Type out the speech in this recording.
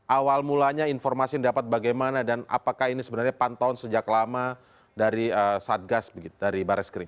awal mulanya informasi yang dapat bagaimana dan apakah ini sebenarnya pantauan sejak lama dari satgas dari barreskrim